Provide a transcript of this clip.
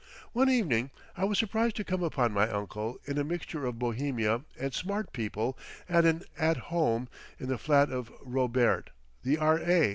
One evening I was surprised to come upon my uncle in a mixture of Bohemia and smart people at an At Home in the flat of Robbert, the R.A.